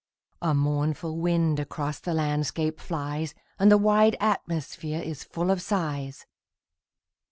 A mournful wind across the landscape flies, And the wide atmosphere is full of sighs.